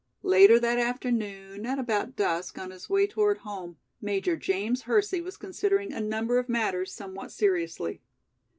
Later that afternoon, at about dusk, on his way toward home, Major James Hersey was considering a number of matters somewhat seriously.